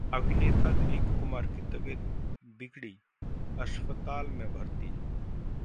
अभिनेता दिलीप कुमार की तबीयत बिगड़ी, अस्पताल में भर्ती